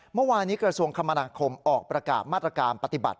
เมื่อวานี้กระทรวงคมนาคมออกประกาศมาตรการปฏิบัติ